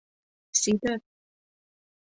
Сидыр.